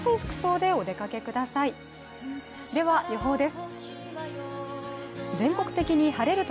では、予報です。